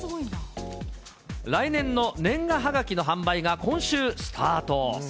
来年の年賀はがきの販売が今週スタート。